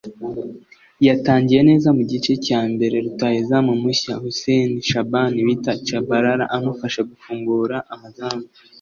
yatangiye neza mu gice cya mbere rutahizamu mushya Hussein Shaban bita Tchabalala amufasha gufungura amazamu